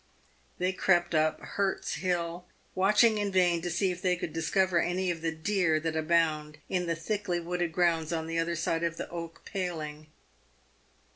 They crept up Hurts Hill, watching in vain to see if they could discover any of the deer that abound in the thickly wooded grounds on the other side of the oak paling.